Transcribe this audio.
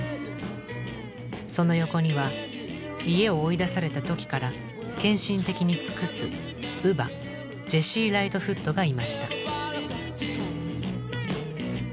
その横には家を追い出された時から献身的に尽くす乳母ジェシー・ライトフットがいました。